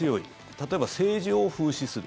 例えば政治を風刺する。